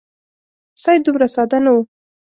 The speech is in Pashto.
سید دومره ساده نه وو.